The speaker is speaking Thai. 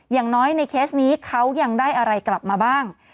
อย่างน้อยในเคสนี้เขายังได้อะไรกลับมาบ้าง